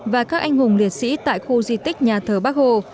và các anh hùng liệt sĩ tại khu di tích nhà thờ bắc hồ